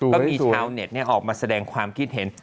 ก็มีชาวเน็ตออกมาแสดงความคิดเห็น